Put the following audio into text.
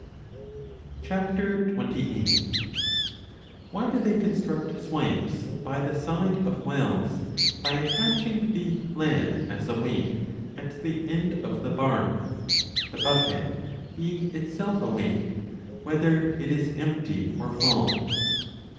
1 8 WHY do they construct swipes by the side of wells by attaching the lead as a weight at the end of the bar, the 35 bucket being itself a weight, whether it is empty or full